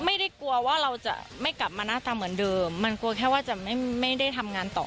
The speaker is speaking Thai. ไม่ได้กลัวว่าเราจะไม่กลับมาหน้าตาเหมือนเดิมมันกลัวแค่ว่าจะไม่ได้ทำงานต่อ